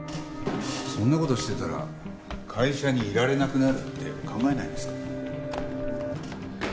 そんな事してたら会社にいられなくなるって考えないんですか？